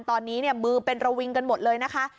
ตอนนี้เนี่ยมือเป็นระวิงกันหมดเลยนะคะ